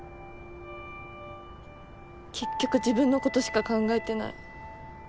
結局自分のことしか考えてない。